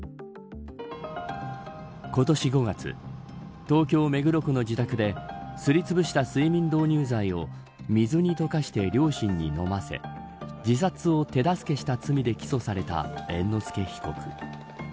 今年５月東京、目黒区の自宅ですりつぶした睡眠導入剤を水に溶かして両親に飲ませ自殺を手助けした罪で起訴された猿之助被告。